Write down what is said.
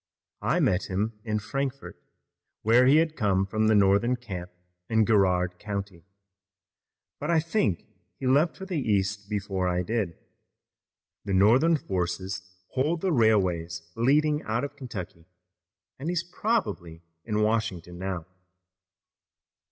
I met him in Frankfort, where he had come from the Northern camp in Garrard County, but I think he left for the East before I did. The Northern forces hold the railways leading out of Kentucky and he's probably in Washington now."